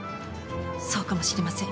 そうかもしれません。